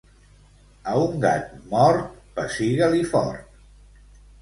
A un gat mort, pessiga-li fort.